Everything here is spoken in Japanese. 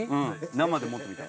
生で持ってみたら？